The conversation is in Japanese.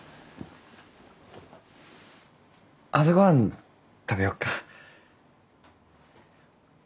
朝ごはん食べよっか。